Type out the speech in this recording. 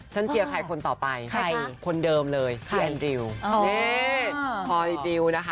ฉันเทียร์ใครคนต่อไปคนเดิมเลยพี่อันดริวส์เนี่ยคอยดริวส์นะคะ